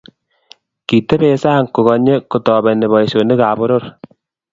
Kitebee sang kukanyu kotobeni boisionikab poror